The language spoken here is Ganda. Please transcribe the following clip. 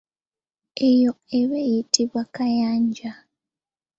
Eyo eba eyitibwa kayanja.